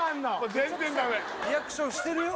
全然ダメリアクションしてるよ